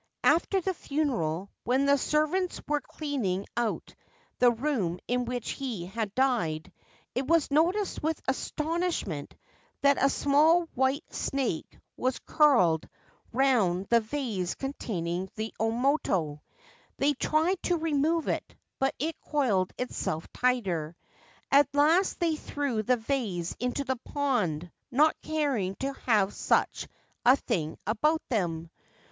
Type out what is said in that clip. After the funeral, when the servants were clean ing out the room in which he had died, it was noticed with astonishment that a small white snake was curled 338 The White Serpent God round the vase containing the omoto. They tried to remove it ; but it coiled itself tighter. At last they threw the vase into the pond, not caring to have such a thing about them.